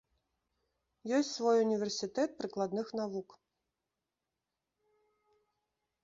Ёсць свой універсітэт прыкладных навук.